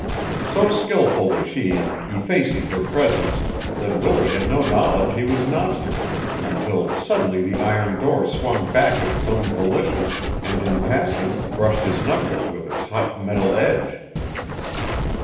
So skilful was she in effacing her presence that Willie had no knowledge he was an obstacle until suddenly the iron door swung back of its own volition and in passing brushed his knuckles with its hot metal edge.